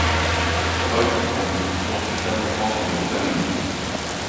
Holt prend de plus en plus d'importance dans le gouvernement.